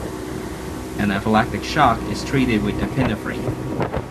Anaphylactic shock is treated with epinephrine.